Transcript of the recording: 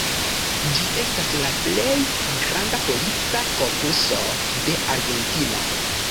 Ĝi estas la plej granda polica korpuso de Argentino.